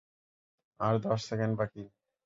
আর দশ সেকেন্ড বাকি।